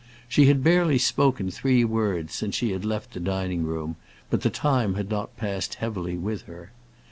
She had barely spoken three words since she had left the dining room, but the time had not passed heavily with her.